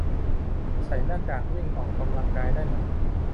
ใส่หน้ากากวิ่งออกกำลังกายได้ไหม